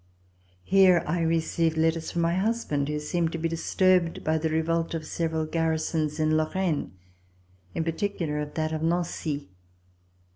Here I received letters from my husband, who seemed to be disturbed by the revolt of several garrisons in Lor raine — in particular of that of Nancy.